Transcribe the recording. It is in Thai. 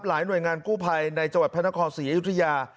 หลายหน่วยงานกู้ภัยในจวัดพนคร๔อายุทธิยา